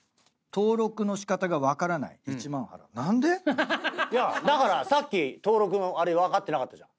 何で⁉だからさっき登録のあれ分かってなかったじゃん。